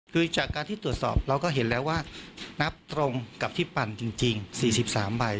คือจากการที่ตรวจสอบเราก็เห็นแล้วว่านับตรงกับที่ปั่นจริง๔๓ใบ